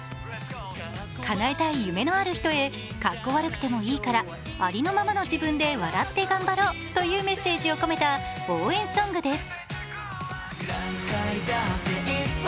かなえたい夢のある人へ格好悪くてもいいからありのままの自分で笑って頑張ろうというメッセージを込めた応援ソングです。